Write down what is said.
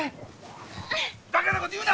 バカなこと言うな！